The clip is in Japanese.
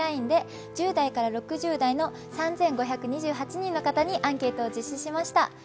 ＬＩＮＥで１０代から４０代の方に３５２８人の方にアンケートを実施しました。